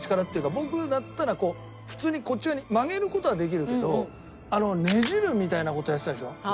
僕だったらこう普通にこっち側に曲げる事はできるけどねじるみたいな事やってたでしょ